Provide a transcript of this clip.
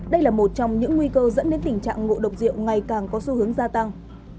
đây là một trong những nguy cơ dẫn đến tình trạng ngộ độc rượu ngày càng có xu hướng gia tăng